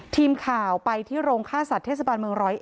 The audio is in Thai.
ทีมข่าวไปที่โรงฆ่าสัตว์เทศบาลเมือง๑๐๑